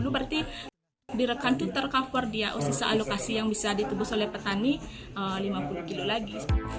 berarti di rekan itu tercover dia sisa alokasi yang bisa ditebus oleh petani lima puluh kilo lagi